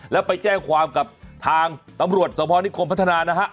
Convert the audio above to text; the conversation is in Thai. แล้วไปแจ้งความกับทางตำรวจสภนิคมพัฒนานะฮะ